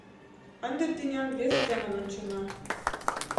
Ынде тӱням вес семын ончена...